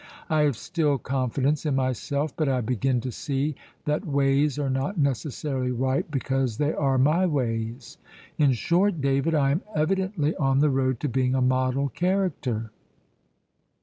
I have still confidence in myself; but I begin to see that ways are not necessarily right because they are my ways. In short, David, I am evidently on the road to being a model character!"